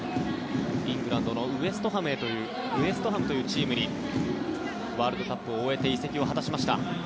イングランドのウェストハムというチームにワールドカップを終えて移籍を果たしました。